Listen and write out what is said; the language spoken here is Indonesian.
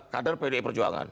kadar pdi perjuangan